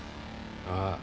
ああ。